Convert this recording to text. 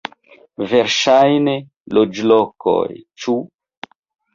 Verŝajne, loĝlokoj, ĉu?